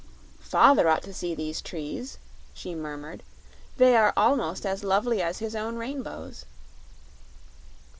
"Father ought to see these trees," she murmured; "they are almost as lovely as his own rainbows."